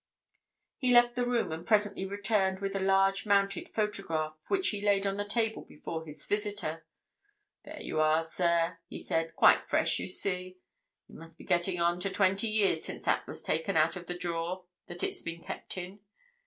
He left the room and presently returned with a large mounted photograph which he laid on the table before his visitor. "There you are, sir," he said. "Quite fresh, you see—it must be getting on to twenty years since that was taken out of the drawer that it's been kept in.